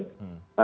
nah tapi dengan